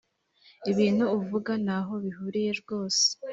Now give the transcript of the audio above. ibintu avuga ntaho bihuriye rwose.